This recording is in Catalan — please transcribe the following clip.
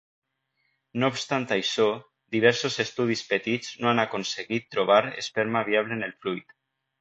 No obstant això, diversos estudis petits no han aconseguit trobar esperma viable en el fluid.